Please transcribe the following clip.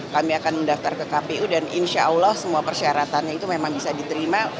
kami akan mendaftar ke kpu dan insya allah semua persyaratannya itu memang bisa diterima